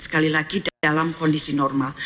sekali lagi dalam kondisi normal